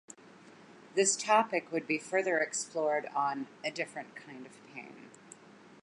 This topic would be further explored on "A Different Kind of Pain".